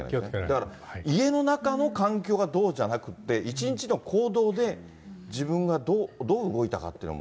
だから、家の中の環境がどうじゃなくって、一日の行動で、自分がどう動いたかっていうのも。